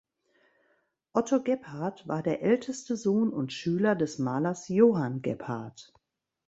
Otto Gebhard war der älteste Sohn und Schüler des Malers Johann Gebhard.